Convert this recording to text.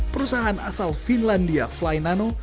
perusahaan asal finlandia flynano